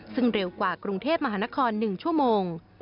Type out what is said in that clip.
ซึ่งเร็วกว่ากรุงเทพมหานคร๑ชั่วโมง